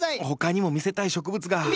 他にも見せたい植物が。